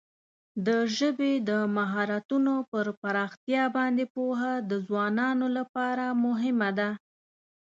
د ژبې د مهارتونو پر پراختیا باندې پوهه د ځوانانو لپاره مهمه ده.